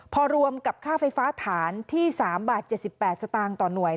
พอรวมกับค่าไฟฟ้าฐานที่๓บาท๗๘สตางค์ต่อหน่วย